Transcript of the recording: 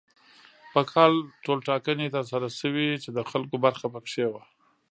په کال ټولټاکنې تر سره شوې چې د خلکو برخه پکې وه.